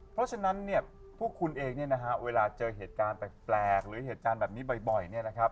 เพราะฉะนั้นพวกคุณเองเวลาเจอเหตุการณ์แบบแปลกหรือเหตุการณ์แบบนี้บ่อย